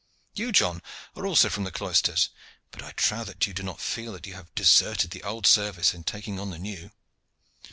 You, John, are also from the cloisters, but I trow that you do not feel that you have deserted the old service in taking on the new."